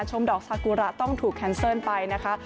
ดอกซากุระต้องถูกแคนเซิลไปนะคะ